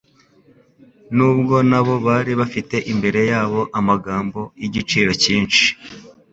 nubwo na bo bari bafite imbere yabo ayo magambo y'igiciro cyinshi,